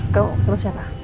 kau sama siapa